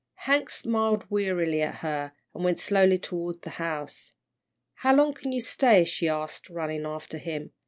Hank smiled wearily at her, and went slowly toward the house. "How long can you stay?" she asked, running after him.